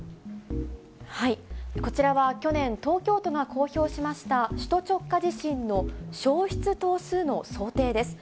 こちらは去年、東京都が公表しました、首都直下地震の焼失棟数の想定です。